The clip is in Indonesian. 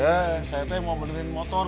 eh saya tuh mau mendingin motor